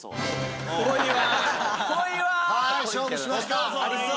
勝負しました。